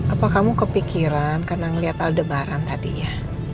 apa kamu kepikiran karena ngeliat aldebaran tadi ya